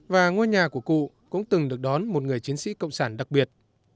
và ngôi nhà của cụ cũng từng được đón một người chiến sĩ cộng sản đặc biệt